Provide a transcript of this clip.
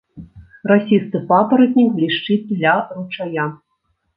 Расісты папаратнік блішчыць ля ручая.